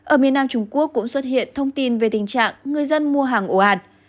ở miền nam trung quốc cũng xuất hiện thông tin về tình trạng người dân mua hàng ổ ạt